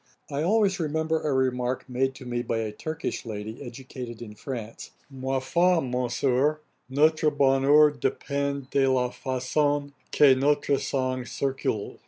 I always remember a remark made to me by a Turkish lady, educated in France, 'Ma foi, Monsieur, notre bonheur dépend de la façon que notre sang circule.'